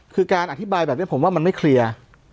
คือการอธิบายแบบนี้ผมว่ามันไม่เคลียร์